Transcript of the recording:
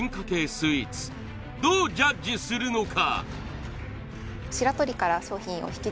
スイーツどうジャッジするのか？